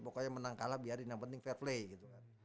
pokoknya menang kalah biarin yang penting fair play gitu kan